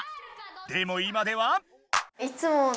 でも今では！